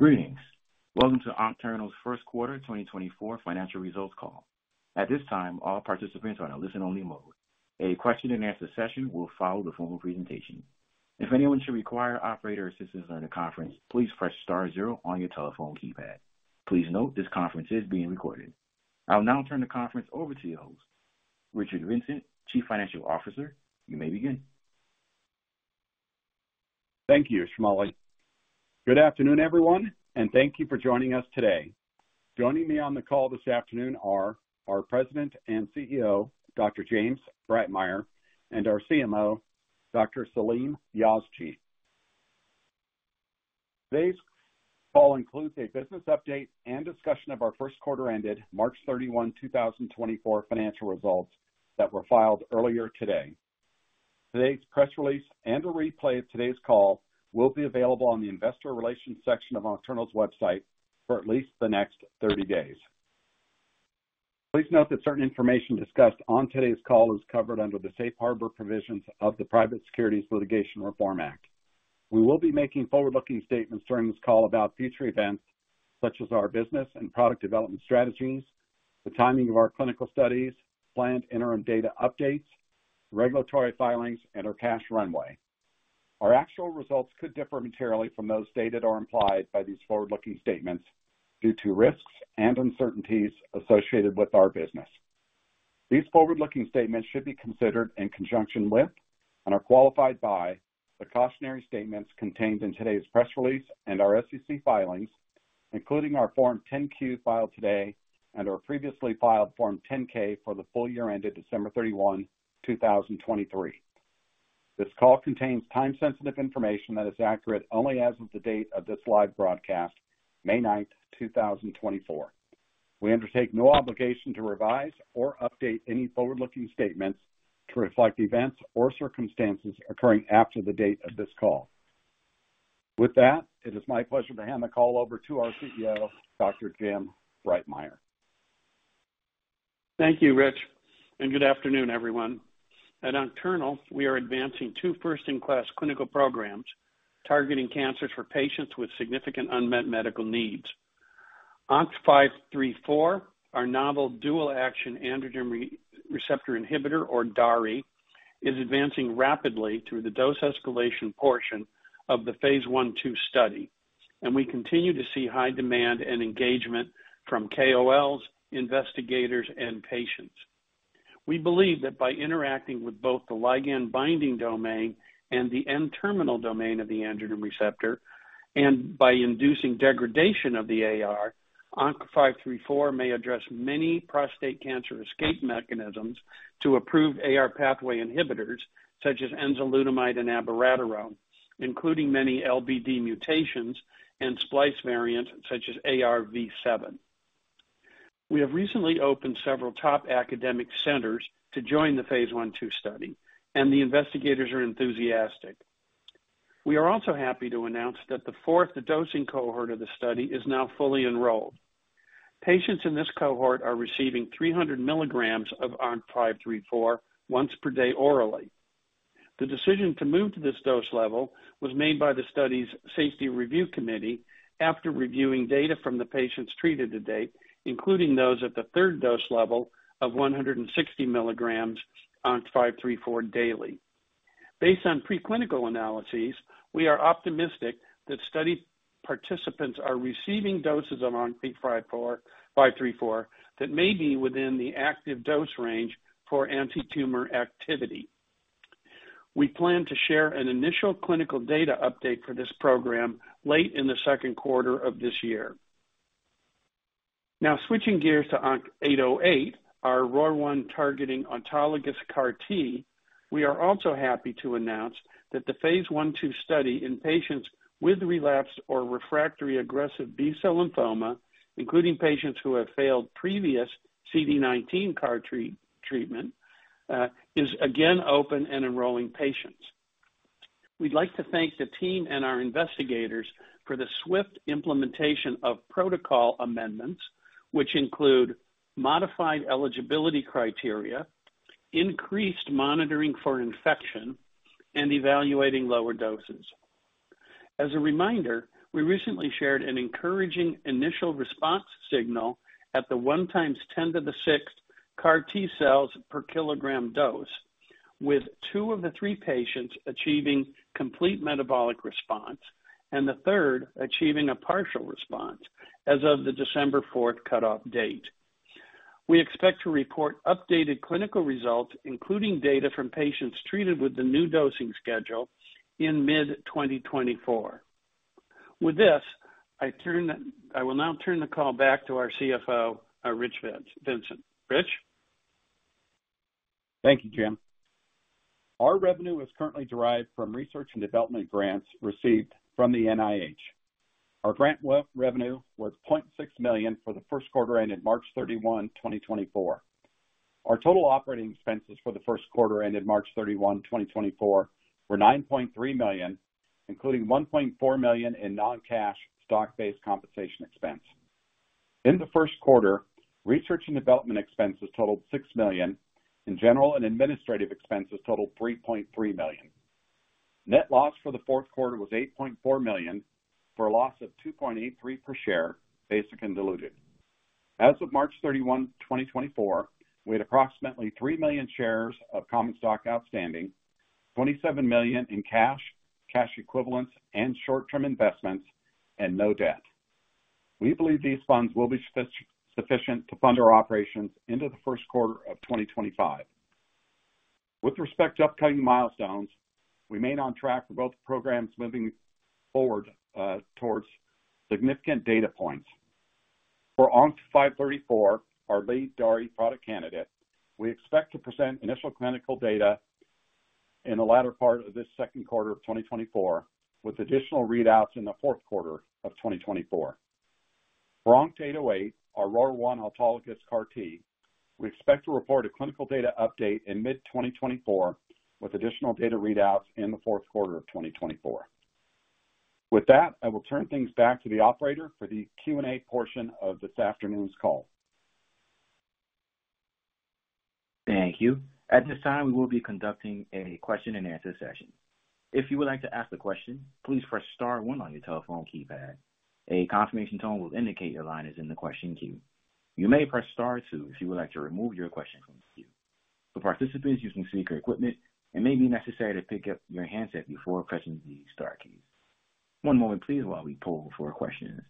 Greetings. Welcome to Oncternal's First Quarter 2024 Financial Results Call. At this time, all participants are in a listen-only mode. A question-and-answer session will follow the formal presentation. If anyone should require operator assistance on the conference, please press star zero on your telephone keypad. Please note, this conference is being recorded. I'll now turn the conference over to your host, Richard Vincent, Chief Financial Officer. You may begin. Thank you, Shamali. Good afternoon, everyone, and thank you for joining us today. Joining me on the call this afternoon are our President and CEO, Dr. James Breitmeyer, and our CMO, Dr. Salim Yazji. Today's call includes a business update and discussion of our first quarter ended March 31, 2024 financial results that were filed earlier today. Today's press release and a replay of today's call will be available on the investor relations section of Oncternal's website for at least the next 30 days. Please note that certain information discussed on today's call is covered under the safe harbor provisions of the Private Securities Litigation Reform Act. We will be making forward-looking statements during this call about future events, such as our business and product development strategies, the timing of our clinical studies, planned interim data updates, regulatory filings, and our cash runway. Our actual results could differ materially from those stated or implied by these forward-looking statements due to risks and uncertainties associated with our business. These forward-looking statements should be considered in conjunction with and are qualified by the cautionary statements contained in today's press release and our SEC filings, including our Form 10-Q filed today and our previously filed Form 10-K for the full year ended December 31, 2023. This call contains time-sensitive information that is accurate only as of the date of this live broadcast, May 9, 2024. We undertake no obligation to revise or update any forward-looking statements to reflect events or circumstances occurring after the date of this call. With that, it is my pleasure to hand the call over to our CEO, Dr. James Breitmeyer. Thank you, Rich, and good afternoon, everyone. At Oncternal, we are advancing two first-in-class clinical programs targeting cancers for patients with significant unmet medical needs. ONC-534, our novel dual-action androgen receptor inhibitor, or DARI, is advancing rapidly through the dose escalation portion of the Phase I-II study, and we continue to see high demand and engagement from KOLs, investigators, and patients. We believe that by interacting with both the ligand binding domain and the N-terminal domain of the androgen receptor and by inducing degradation of the AR, ONC-534 may address many prostate cancer escape mechanisms to approved AR pathway inhibitors, such as enzalutamide and abiraterone, including many LBD mutations and splice variants, such as AR-V7. We have recently opened several top academic centers to join the Phase I-II study, and the investigators are enthusiastic. We are also happy to announce that the fourth dosing cohort of the study is now fully enrolled. Patients in this cohort are receiving 300 milligrams of ONC-534 once per day orally. The decision to move to this dose level was made by the study's Safety Review Committee after reviewing data from the patients treated to date, including those at the third dose level of 160 milligrams ONC-534 daily. Based on preclinical analyses, we are optimistic that study participants are receiving doses of ONC-534 that may be within the active dose range for antitumor activity. We plan to share an initial clinical data update for this program late in the second quarter of this year. Now, switching gears to ONC-808, our ROR1 targeting autologous CAR-T, we are also happy to announce that the Phase I-II study in patients with relapsed or refractory aggressive B-cell lymphoma, including patients who have failed previous CD19 CAR-T treatment, is again open and enrolling patients. We'd like to thank the team and our investigators for the swift implementation of protocol amendments, which include modified eligibility criteria, increased monitoring for infection, and evaluating lower doses. As a reminder, we recently shared an encouraging initial response signal at the 1 × 10^6 CAR T-cells per kilogram dose, with two of the three patients achieving complete metabolic response and the third achieving a partial response as of the December fourth cutoff date. We expect to report updated clinical results, including data from patients treated with the new dosing schedule in mid-2024. With this, I will now turn the call back to our CFO, Rich Vincent. Rich? Thank you, Jim. Our revenue is currently derived from research and development grants received from the NIH. Our grant revenue was $0.6 million for the first quarter ended March 31, 2024. Our total operating expenses for the first quarter ended March 31, 2024, were $9.3 million, including $1 million in non-cash stock-based compensation expense. ...In the first quarter, research and development expenses totaled $6 million, and general and administrative expenses totaled $3.3 million. Net loss for the fourth quarter was $8.4 million, for a loss of $2.83 per share, basic and diluted. As of March 31, 2024, we had approximately three million shares of common stock outstanding, $27 million in cash, cash equivalents, and short-term investments, and no debt. We believe these funds will be sufficient to fund our operations into the first quarter of 2025. With respect to upcoming milestones, we remain on track for both programs moving forward towards significant data points. For ONC-534, our lead DARI product candidate, we expect to present initial clinical data in the latter part of this second quarter of 2024, with additional readouts in the fourth quarter of 2024. For ONC-808, our ROR1 autologous CAR T, we expect to report a clinical data update in mid-2024, with additional data readouts in the fourth quarter of 2024. With that, I will turn things back to the operator for the Q&A portion of this afternoon's call. Thank you. At this time, we will be conducting a question-and-answer session. If you would like to ask a question, please press star one on your telephone keypad. A confirmation tone will indicate your line is in the question queue. You may press star two if you would like to remove your question from the queue. For participants using speaker equipment, it may be necessary to pick up your handset before pressing the star key. One moment, please, while we poll for questions.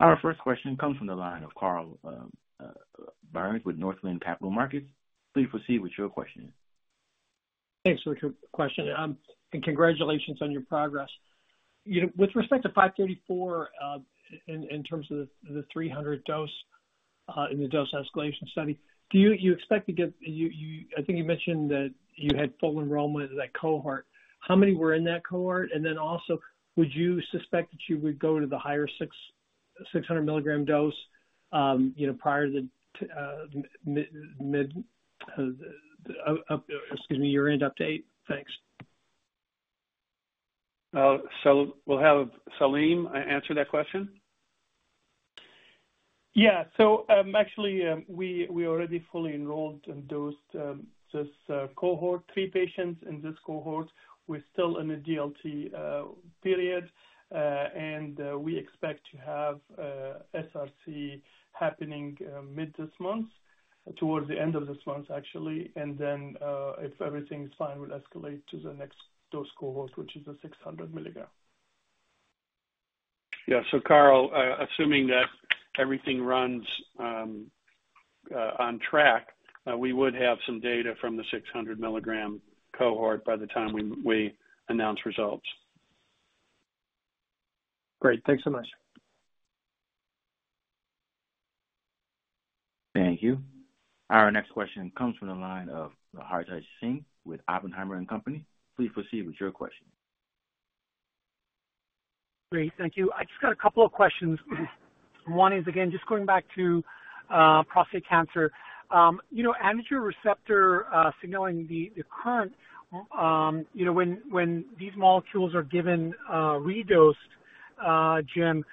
Our first question comes from the line of Carl Byrnes with Northland Capital Markets. Please proceed with your question. Thanks for the question, and congratulations on your progress. You know, with respect to 534, in terms of the 300 dose, in the dose escalation study, do you expect to get... You, I think you mentioned that you had full enrollment in that cohort. How many were in that cohort? And then also, would you suspect that you would go to the higher 600 milligram dose, you know, prior to the, mid, excuse me, year-end update? Thanks. So we'll have Salim answer that question. Yeah. So, actually, we already fully enrolled and dosed this cohort, three patients in this cohort. We're still in a DLT period, and we expect to have SRC happening mid this month, towards the end of this month, actually, and then, if everything is fine, we'll escalate to the next dose cohort, which is the 600 milligram. Yeah. So Carl, assuming that everything runs on track, we would have some data from the 600 milligram cohort by the time we announce results. Great. Thanks so much. Thank you. Our next question comes from the line of Hartaj Singh with Oppenheimer & Company. Please proceed with your question. Great, thank you. I just got a couple of questions. One is, again, just going back to, prostate cancer. You know, androgen receptor, signaling, the current, you know, when these molecules are given, redosed, Jim,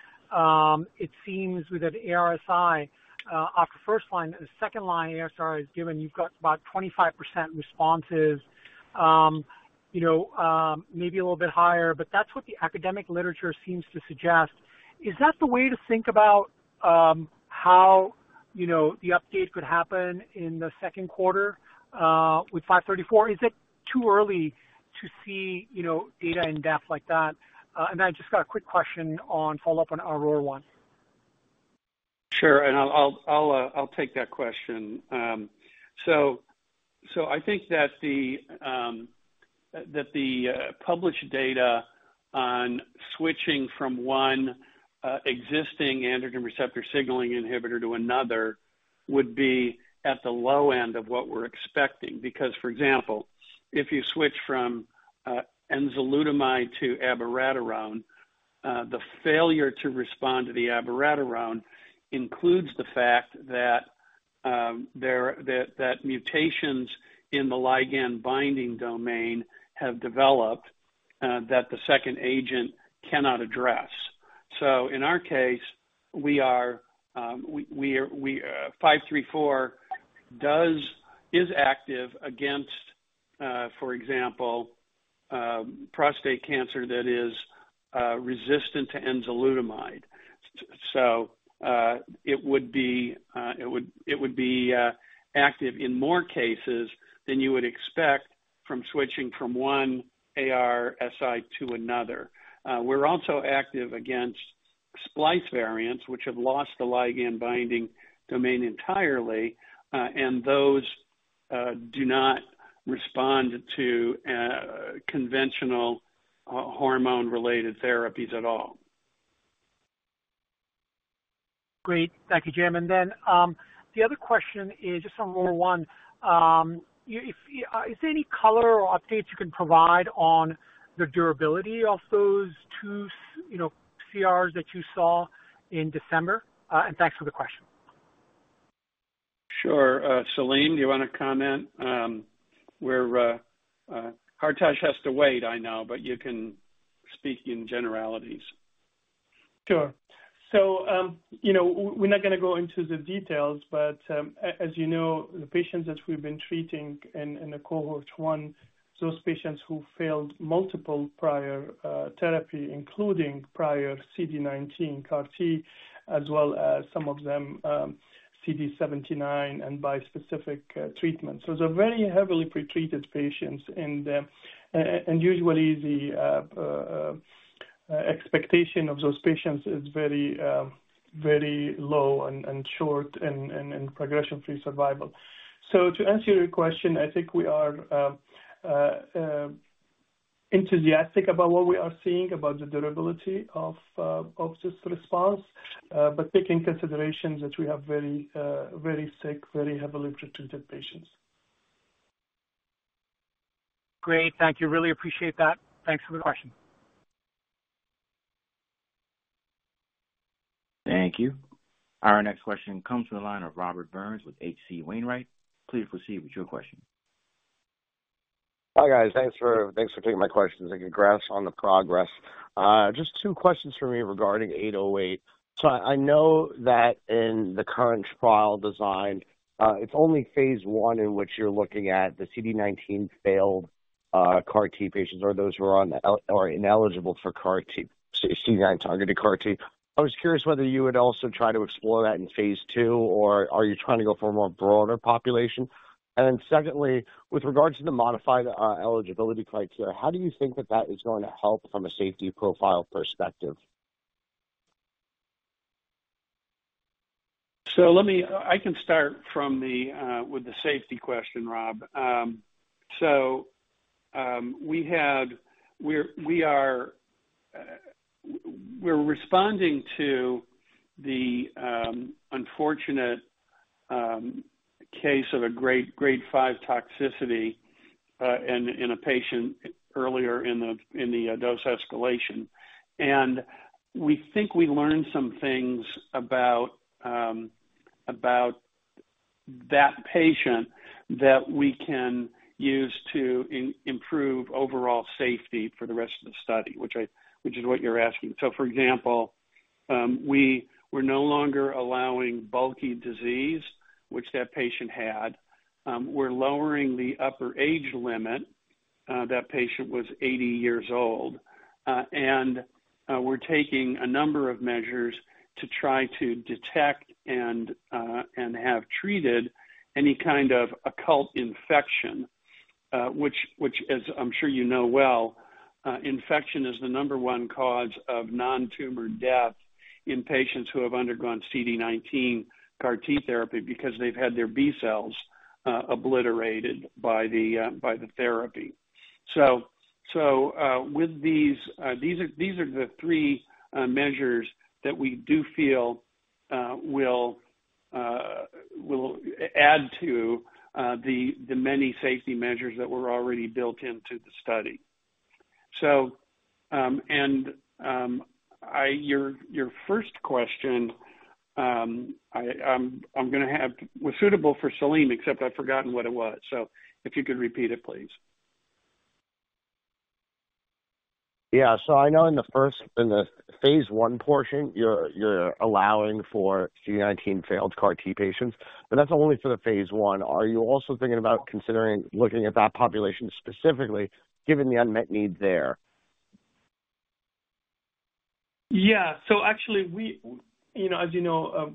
it seems with that ARSI off the first line, the second line, ARSI is given, you've got about 25% responses, you know, maybe a little bit higher, but that's what the academic literature seems to suggest. Is that the way to think about, how, you know, the update could happen in the second quarter, with 534? Is it too early to see, you know, data in-depth like that? And I just got a quick question on follow-up on ROR1. Sure. And I'll take that question. So I think that the published data on switching from one existing androgen receptor signaling inhibitor to another would be at the low end of what we're expecting, because, for example, if you switch from enzalutamide to abiraterone, the failure to respond to the abiraterone includes the fact that mutations in the ligand binding domain have developed that the second agent cannot address. So in our case, 534 is active against, for example, prostate cancer that is resistant to enzalutamide. So it would be active in more cases than you would expect from switching from one ARSI to another. We're also active against splice variants, which have lost the ligand binding domain entirely, and those do not respond to conventional hormone-related therapies at all. Great. Thank you, Jim. And then, the other question is just on ROR1, if is there any color or updates you can provide on the durability of those two, you know, CRs that you saw in December? And thanks for the question.... Sure. Salim, do you want to comment? We're, Hartaj has to wait, I know, but you can speak in generalities. Sure. So, you know, we're not gonna go into the details, but, as you know, the patients that we've been treating in the cohort one, those patients who failed multiple prior therapy, including prior CD19 CAR T, as well as some of them, CD79 and bispecific treatments. Those are very heavily pretreated patients, and usually the expectation of those patients is very low and short progression-free survival. So to answer your question, I think we are enthusiastic about what we are seeing, about the durability of this response, but take in consideration that we have very sick, very heavily treated patients. Great. Thank you. Really appreciate that. Thanks for the question. Thank you. Our next question comes from the line of Robert Burns with H.C. Wainwright. Please proceed with your question. Hi, guys. Thanks for taking my questions and congrats on the progress. Just two questions for me regarding 808. So I know that in the current trial design, it's only Phase I in which you're looking at the CD19 failed CAR T patients or those who are, or ineligible for CAR T, CD19-targeted CAR T. I was curious whether you would also try to explore that in Phase II, or are you trying to go for a more broader population? And then secondly, with regards to the modified eligibility criteria, how do you think that that is going to help from a safety profile perspective? So let me start with the safety question, Rob. So we're responding to the unfortunate case of a Grade 5 toxicity in a patient earlier in the dose escalation. We think we learned some things about that patient that we can use to improve overall safety for the rest of the study, which is what you're asking. So for example, we were no longer allowing bulky disease, which that patient had. We're lowering the upper age limit. That patient was 80 years old. And, we're taking a number of measures to try to detect and have treated any kind of occult infection, which, as I'm sure you know well, infection is the number one cause of non-tumor death in patients who have undergone CD19 CAR-T therapy because they've had their B cells obliterated by the therapy. So, with these, these are the three measures that we do feel will add to the many safety measures that were already built into the study. So, your first question was suitable for Salim, except I've forgotten what it was. So if you could repeat it, please. Yeah. So I know in the first, in the Phase I portion, you're allowing for CD19 failed CAR T patients, but that's only for the Phase I. Are you also thinking about considering looking at that population specifically, given the unmet need there? Yeah. So actually we, you know, as you know,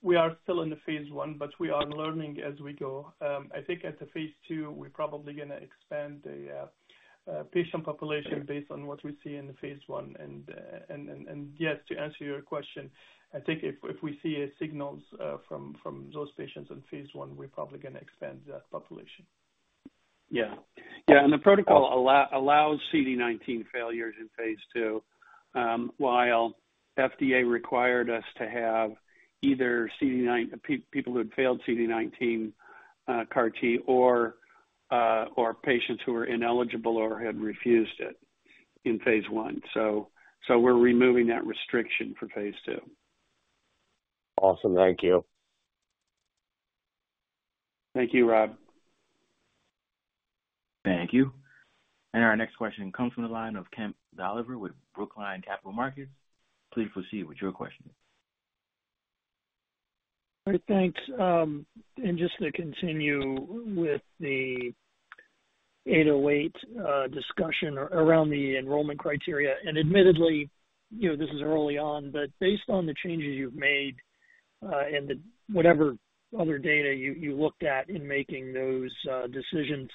we are still in the Phase I, but we are learning as we go. I think at the Phase II, we're probably gonna expand the patient population based on what we see in the Phase I. Yes, to answer your question, I think if we see signals from those patients in Phase I, we're probably gonna expand that population. Yeah. Yeah, and the protocol allows CD19 failures in Phase II, while FDA required us to have either CD19 people who had failed CD19 CAR T or patients who were ineligible or had refused it in Phase I. So, we're removing that restriction for Phase II. Awesome. Thank you. Thank you, Rob. Thank you. Our next question comes from the line of Kemp Dolliver with Brookline Capital Markets. Please proceed with your question. All right, thanks. And just to continue with the 808 discussion around the enrollment criteria, and admittedly, you know, this is early on, but based on the changes you've made, and the, whatever other data you looked at in making those decisions,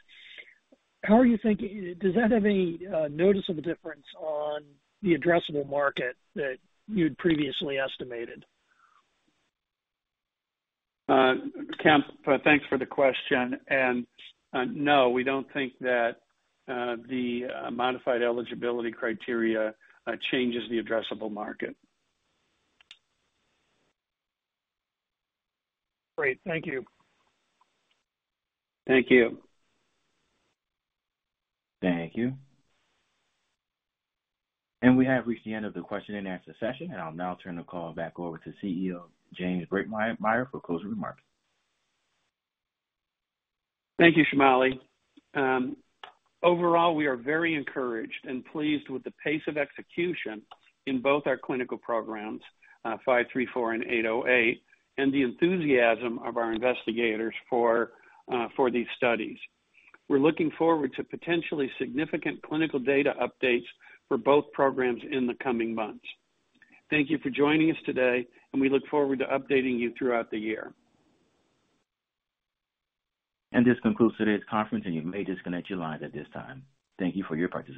how are you thinking? Does that have any noticeable difference on the addressable market that you'd previously estimated? Kemp, thanks for the question. And, no, we don't think that the modified eligibility criteria changes the addressable market. Great. Thank you. Thank you. Thank you. We have reached the end of the question and answer session, and I'll now turn the call back over to CEO James Breitmeyer for closing remarks. Thank you, Shamali. Overall, we are very encouraged and pleased with the pace of execution in both our clinical programs, 534 and 808, and the enthusiasm of our investigators for, for these studies. We're looking forward to potentially significant clinical data updates for both programs in the coming months. Thank you for joining us today, and we look forward to updating you throughout the year. This concludes today's conference, and you may disconnect your lines at this time. Thank you for your participation.